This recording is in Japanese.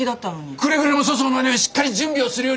くれぐれも粗相のないようにしっかり準備をするように！